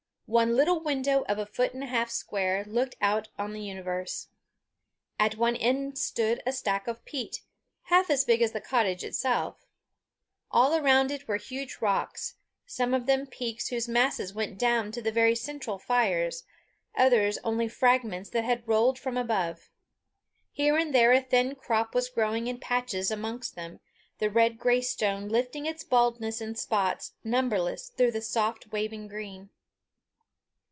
One little window of a foot and a half square looked out on the universe. At one end stood a stack of peat, half as big as the cottage itself. All around it were huge rocks, some of them peaks whose masses went down to the very central fires, others only fragments that had rolled from above. Here and there a thin crop was growing in patches amongst them, the red grey stone lifting its baldness in spots numberless through the soft waving green.